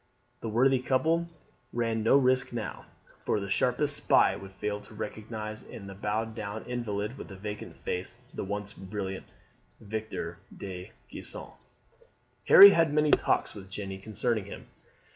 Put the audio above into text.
The worthy couple ran no risk now, for the sharpest spy would fail to recognize in the bowed down invalid with vacant face, the once brilliant Victor de Gisons. Harry had many talks with Jeanne concerning him.